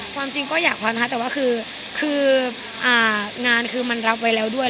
ความจริงก็อยากการนะคะแต่ว่ามันรับไว้แล้วด้วย